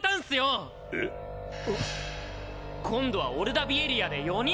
え⁉今度はオルダビエリアで４人！